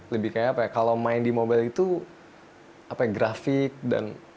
lebih kayak apa ya kalau main di mobile itu apa ya grafik dan